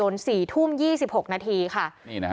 นี่คือรอบแรกที่มาซื้อเบียนหกขวด